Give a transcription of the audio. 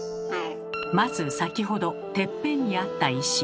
まず先ほどてっぺんにあった石。